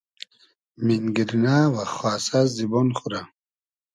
مینگیرنۂ و خاسۂ زیبۉن خو رۂ